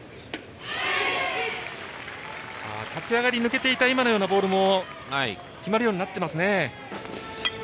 立ち上がり、抜けていた今のようなボールも決まるようになっています。